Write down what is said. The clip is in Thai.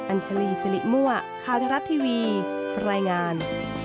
อันเจลีซิลิมัวะค่าเทราะทีวีบรรยายงาน